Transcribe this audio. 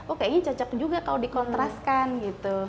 oh kayaknya cocok juga kalau dikontraskan gitu